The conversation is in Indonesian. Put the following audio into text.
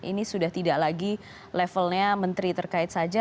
ini sudah tidak lagi levelnya menteri terkait saja